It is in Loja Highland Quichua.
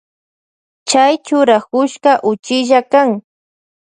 Chay churakushka uchilla kan.